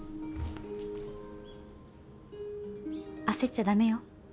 焦っちゃ駄目よ。